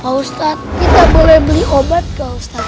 pak ustadz kita boleh beli obat ke ustadz